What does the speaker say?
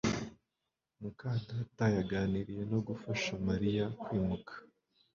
muka data yaganiriye no gufasha Mariya kwimuka